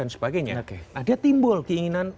makanya nah dia timbul keinginan